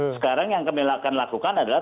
sekarang yang kami lakukan adalah